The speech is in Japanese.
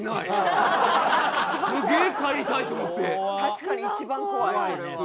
確かに一番怖いそれは。